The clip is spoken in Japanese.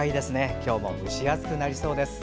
今日も蒸し暑くなりそうです。